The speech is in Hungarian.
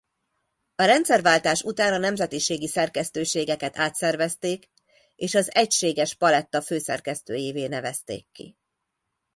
A rendszerváltás után a nemzetiségi szerkesztőségeket átszervezték és az egységes paletta főszerkesztőjévé nevezték ki.